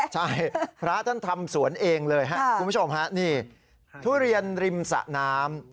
ใช่พระท่านทำสวนเองเลยครับคุณผู้ชมฮะนี่ทุเรียนริมสะน้ำ